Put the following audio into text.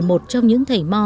một trong những thầy mò